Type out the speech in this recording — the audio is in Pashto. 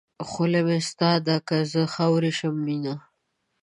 خوله مې ستا ده که زه خاورې شم مینه.